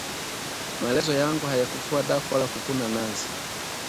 Maelezo yangu hayakufua dafu wala kukuna nazi